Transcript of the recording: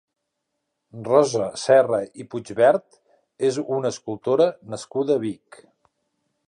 Rosa Serra i Puigvert és una escultora nascuda a Vic.